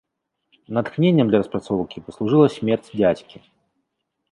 Натхненнем для распрацоўкі паслужыла смерць дзядзькі.